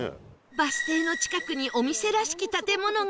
バス停の近くにお店らしき建物が